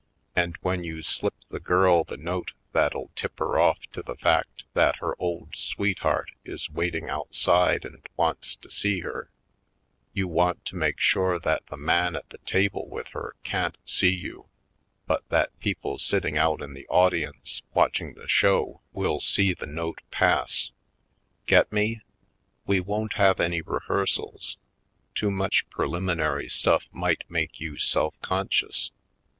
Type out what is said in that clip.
And when you slip the girl the note that '11 tip her off to the fact that her old sweetheart is waiting outside and wants to see her, you want to make sure that the man at the table with her can't see you, but that people sitting out in the audience watch ing the show will see the note pass. Get me? We won't have any rehearsals — too much preliminary stuff might make you self conscious.